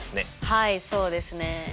はいそうですね。